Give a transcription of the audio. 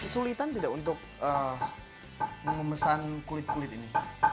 sulitan tidak untuk memesan kulit kulit ini